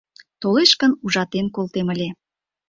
Толеш гын, ужатен колтем ыле.